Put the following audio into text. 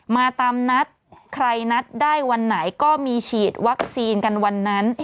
มาตามนัดใครนัดได้วันไหนก็มีฉีดวัคซีนกันวันนั้น